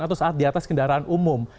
atau saat di atas kendaraan umum